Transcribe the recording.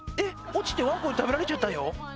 落ちてワンコに食べられちゃったよ